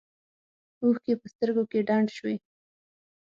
اوښکې په سترګو کې ډنډ شوې.